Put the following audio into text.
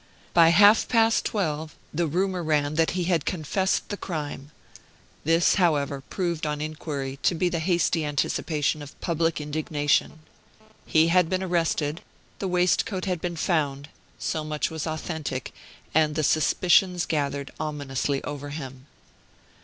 By half past twelve the rumor ran that he had confessed the crime. This, however, proved on inquiry to be the hasty anticipation of public indignation. He had been arrested; the waistcoat had been found: so much was authentic; and the suspicions gathered ominously over him.